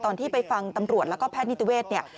ตอนที่ไปฟังตำรวจและแพทย์นิตเวศ